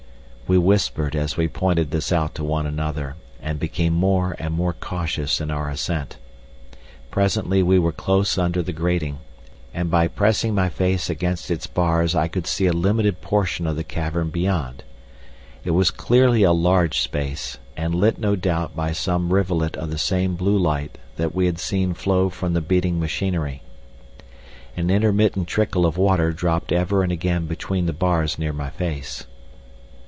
We whispered as we pointed this out to one another, and became more and more cautious in our ascent. Presently we were close under the grating, and by pressing my face against its bars I could see a limited portion of the cavern beyond. It was clearly a large space, and lit no doubt by some rivulet of the same blue light that we had seen flow from the beating machinery. An intermittent trickle of water dropped ever and again between the bars near my face.